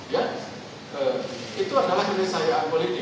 ya itu adalah kenisayaan politik